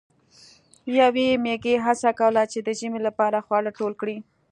یوې میږی هڅه کوله چې د ژمي لپاره خواړه ټول کړي.